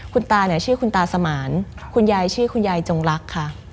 คุณตาชื่อคุณตาสมารคุณยายชื่อคุณยายจงลักษณ์ค่ะ